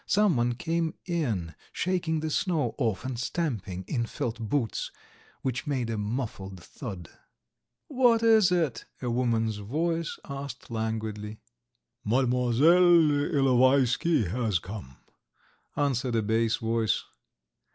Someone came in, shaking the snow off, and stamping in felt boots which made a muffled thud. "What is it?" a woman's voice asked languidly. "Mademoiselle Ilovaisky has come, ..." answered a bass voice.